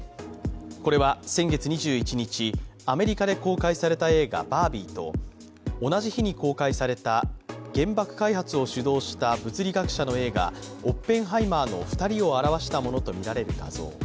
これは先月２１日、アメリカで公開された映画「バービー」と同じ日に公開された原爆開発を主導した物理学者の映画「オッペンハイマー」の２人を表したものとみられる画像。